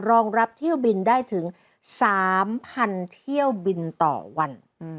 รองรับเที่ยวบินได้ถึง๓๐๐เที่ยวบินต่อวัน